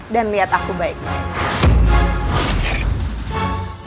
dan lihat aku baiknya